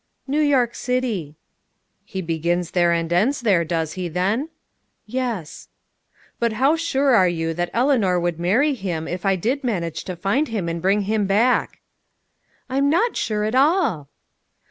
"New York City." "He begins there and ends there, does he, then?" "Yes." "But how sure are you that Eleanor would marry him if I did manage to find him and bring him back?" "I'm not sure at all."